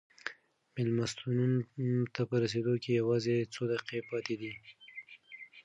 مېلمستون ته په رسېدو کې یوازې څو دقیقې پاتې دي.